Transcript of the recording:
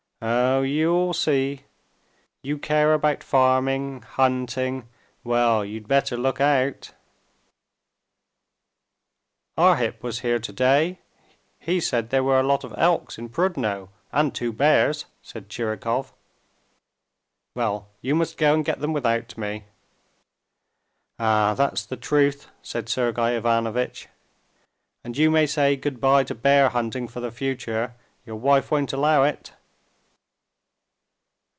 "Oh, you'll see! You care about farming, hunting,—well, you'd better look out!" "Arhip was here today; he said there were a lot of elks in Prudno, and two bears," said Tchirikov. "Well, you must go and get them without me." "Ah, that's the truth," said Sergey Ivanovitch. "And you may say good bye to bear hunting for the future—your wife won't allow it!"